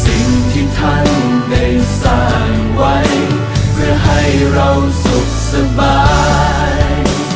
สิ่งที่ท่านได้สร้างไว้เพื่อให้เราสุขสบาย